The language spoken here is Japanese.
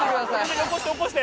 起こして起こして！